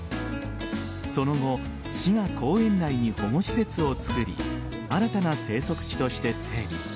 その後市が公園内に保護施設をつくり新たな生息地として整備。